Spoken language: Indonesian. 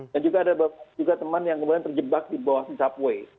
dan juga ada teman yang kemudian terjebak di bawah subway